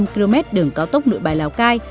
hai trăm bốn mươi năm km đường cao tốc nội bài lào cai